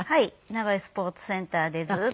名古屋スポーツセンターでずっと。